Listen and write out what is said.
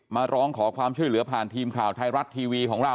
มาร้องขอความช่วยเหลือผ่านทีมข่าวไทยรัฐทีวีของเรา